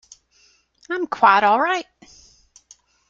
I'm quite all right.